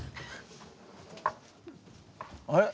あれ？